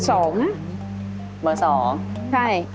ใช่